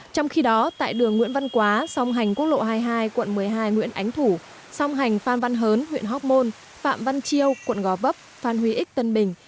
trong khi đó tại đường nguyễn văn quá song hành quốc lộ hai mươi hai quận một mươi hai nguyễn ánh thủ song hành phan văn hớn huyện hóc môn phạm văn chiêu quận gò vấp phan huy ích tân bình